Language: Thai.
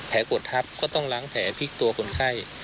กดทับก็ต้องล้างแผลพลิกตัวคนไข้